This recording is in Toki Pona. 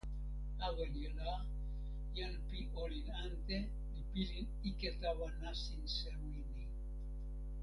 awen la, jan pi olin ante li pilin ike tawa nasin sewi ni.